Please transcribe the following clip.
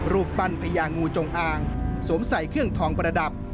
รูปปั้นพญางูจงอางสวมใส่เครื่องทองประดับ